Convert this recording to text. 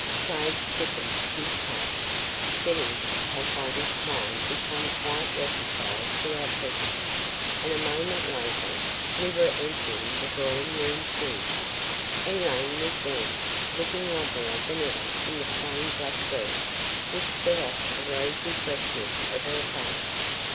Craig quickened his pace. Jennings had by this time become quite reconciled to our presence and a moment later we were entering the drawing room, too. Elaine was there, looking lovelier than ever in the plain black dress, which set off the rosy freshness of her face.